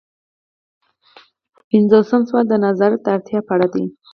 پنځوسم سوال د نظارت د اړتیا په اړه دی.